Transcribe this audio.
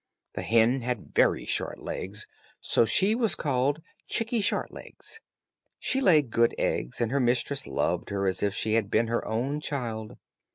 The hen had very short legs, so she was called "Chickie short legs." She laid good eggs, and her mistress loved her as if she had been her own child.